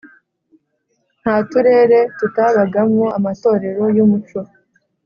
Ntaturere tutabagamo amatorero y’umuco